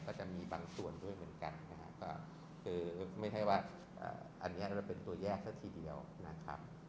ก็จะมีบางส่วนด้วยเหมือนกันไม่ใช่ว่าแบบเป็นตัวแยกชาติเดียวนะครับ